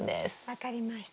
分かりました。